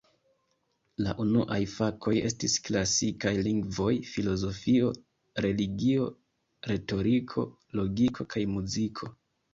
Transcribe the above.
La unuaj fakoj estis klasikaj lingvoj, filozofio, religio, retoriko, logiko kaj muziko.